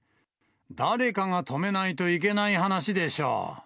誰かが止めないといけない話でし